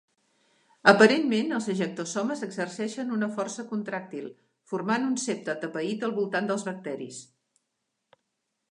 Aparentment, els ejectosomes exerceixen una força contràctil, formant un septe atapeït al voltant dels bacteris.